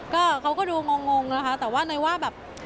ก็เขาก็ดูงงนะคะแต่ว่าในว่าแบบ